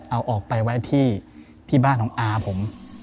เอาออกไปไว้ที่บ้านของอาผม